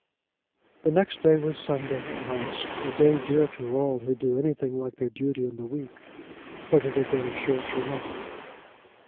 The next day was Sunday at last, a day dear to all who do anything like their duty in the week, whether they go to church or not.